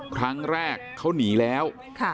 ครั้งแรกเขาหนีแล้ว